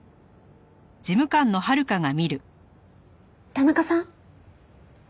田中さん？